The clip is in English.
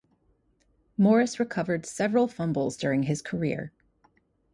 Morris recovered several fumbles during his career.